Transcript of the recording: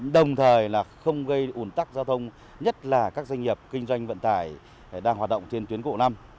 đồng thời là không gây un tắc giao thông nhất là các doanh nghiệp kinh doanh vận tải đang hoạt động trên tuyến cụ năm